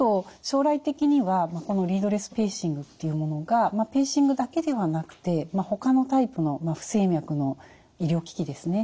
将来的にはこのリードレスペーシングっていうものがペーシングだけではなくてほかのタイプの不整脈の医療機器ですね